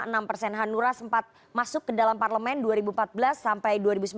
dan hanura sempat masuk ke dalam parlemen dua ribu empat belas sampai dua ribu sembilan belas